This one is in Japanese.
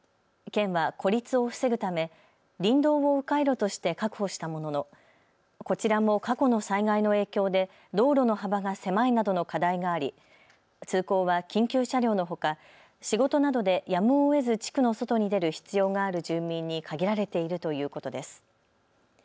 県は孤立を防ぐため林道をう回路として確保したもののこちらも過去の災害の影響で道路の幅が狭いなどの課題があり通行は緊急車両のほか仕事などでやむをえず地区の外に出る必要がある住民に限られているということです。